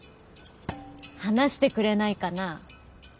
話してくれないかな？